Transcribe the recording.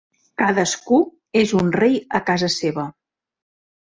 Cadascú és un rei a casa seva.